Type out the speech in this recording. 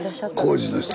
工事の人。